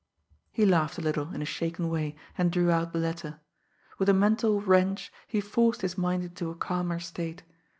He laughed a little in a shaken way, and drew out the letter. With a mental wrench, he forced his mind into a calmer state.